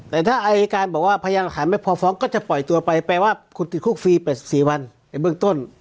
แต่ถ้าอายการบอกว่าพยานหลักฐานไม่พอฟ้องก็จะปล่อยตัวไปแปลว่าคุณติดคุกฟรีไป๔วันในเบื้องต้น